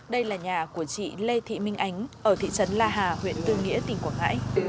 đây là nhà của chị lê thị minh ánh ở thị trấn la hà huyện tư nghĩa tỉnh quảng ngãi